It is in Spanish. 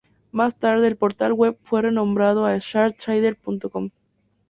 Más tarde, el portal web fue renombrado a SharpTrader.com.